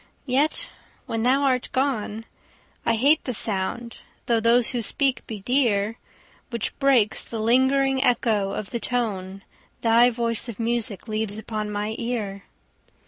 —yet, when thou art gone, I hate the sound (though those who speak be dear) 10 Which breaks the lingering echo of the tone Thy voice of music leaves upon my ear.